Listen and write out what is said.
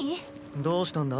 どうしたんだ？